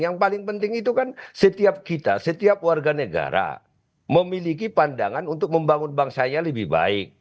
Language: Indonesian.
yang paling penting itu kan setiap kita setiap warga negara memiliki pandangan untuk membangun bangsanya lebih baik